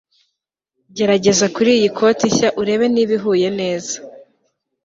Gerageza kuriyi koti nshya urebe niba ihuye neza